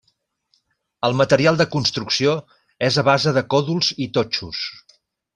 El material de construcció és a base de còdols i totxos.